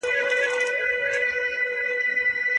هر څوک د خپل ځای خوندي کولو هڅه کوله.